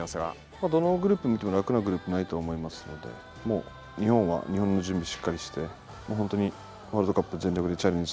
まあどのグループ見ても楽なグループないと思いますのでもう日本は日本の準備しっかりして本当にワールドカップ全力でチャレンジするだけだと思います。